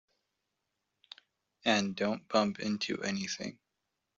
And don't bump into anything.